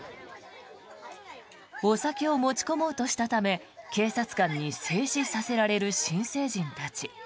お酒を持ち込もうとしたため警察官に制止させられる新成人たち。